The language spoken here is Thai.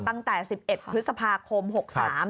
ตั้งแต่๑๑พฤษภาคม๖๓